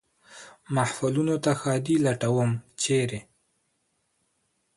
محفلونو ته ښادي لټوم ، چېرې ؟